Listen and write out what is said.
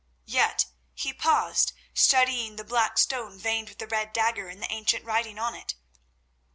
"Yet he paused, studying the black stone veined with the red dagger and the ancient writing on it.